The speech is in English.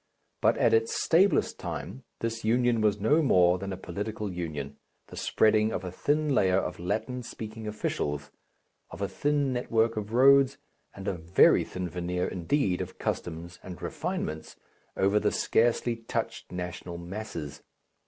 But at its stablest time, this union was no more than a political union, the spreading of a thin layer of Latin speaking officials, of a thin network of roads and a very thin veneer indeed of customs and refinements, over the scarcely touched national masses.